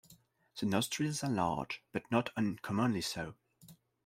The nostrils are large but not uncommonly so.